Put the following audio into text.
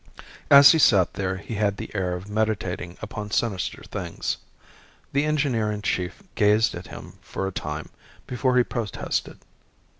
As he sat there he had the air of meditating upon sinister things. The engineer in chief gazed at him for a time before he protested.